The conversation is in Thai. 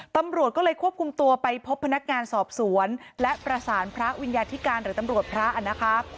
ตำรวจก็เลยควบคุมตัวไปพบพนักงานสอบสวนและประสานพระวิญญาธิการหรือตำรวจพระนะคะ